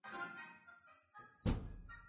bodi hiyo ilianza kubadilisha paundi ya uingereza